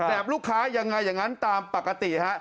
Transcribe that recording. ลูกค้ายังไงอย่างนั้นตามปกติฮะ